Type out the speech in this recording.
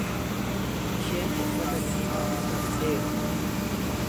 Isheen uffata diimaa uffatteerti.